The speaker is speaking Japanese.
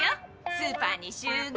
スーパーに集合。